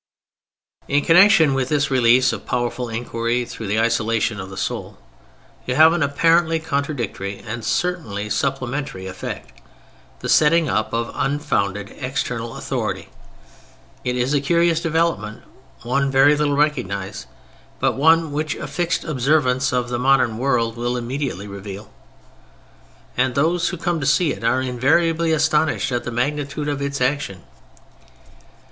In connection with this release of powerful inquiry through the isolation of the soul, you have an apparently contradictory, and certainly supplementary effect: the setting up of unfounded external authority. It is a curious development, one very little recognized, but one which a fixed observance of the modern world will immediately reveal; and those who come to see it are invariably astonished at the magnitude of its action.